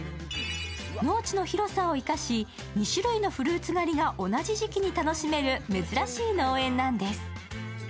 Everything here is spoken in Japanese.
農地の広さを生かし、２種類のフルーツ狩りが同じ時期に楽しめる珍しい農園なんです。